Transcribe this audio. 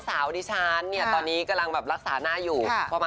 ทำอะไรกันบ้าง